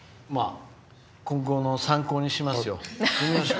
今後の参考にしますよ。